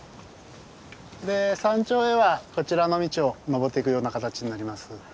で山頂へはこちらの道を登っていくような形になります。